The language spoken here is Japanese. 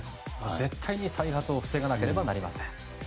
絶対に再発を防がなくてはいけません。